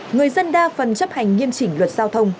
người dân đa phần chấp hành nghiêm chỉnh luật giao thông